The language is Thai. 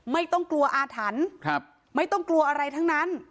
ไม่ต้องกลัวอาถรรพ์ไม่ต้องกลัวอะไรทั้งนั้น